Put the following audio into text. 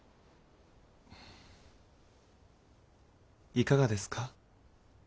いかがですか。